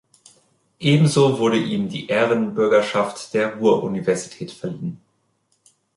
Ebenso wurde ihm die Ehrenbürgerschaft der Ruhr-Universität verliehen.